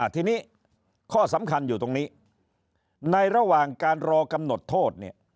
ทีนี้ข้อสำคัญอยู่ตรงนี้ในระหว่างการรอกำหนดโทษเนี่ย